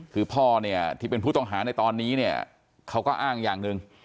คือพ่อเนี่ยที่เป็นผู้ต้องหาในตอนนี้เนี่ยเขาก็อ้างอย่างหนึ่ง